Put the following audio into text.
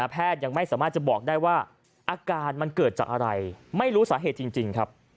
ยังไม่สามารถจะบอกได้ว่าอาการมันเกิดจากอะไรไม่รู้สาเหตุจริงครับ